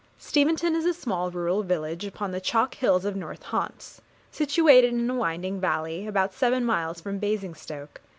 Steventon is a small rural village upon the chalk hills of north Hants, situated in a winding valley about seven miles from Basingstoke.